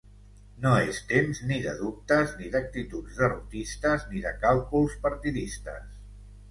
No és temps ni de dubtes ni d'actituds derrotistes ni de càlculs partidistes.